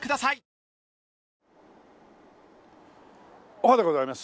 おはでございます。